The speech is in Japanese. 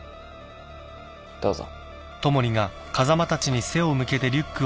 どうぞ。